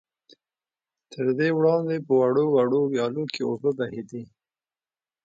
تر دې وړاندې په وړو وړو ويالو کې اوبه بهېدې.